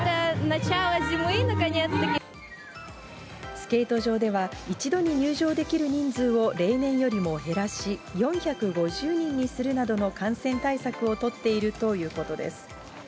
スケート場では一度に入場できる人数を例年よりも減らし、４５０人にするなどの感染対策を取っているということです。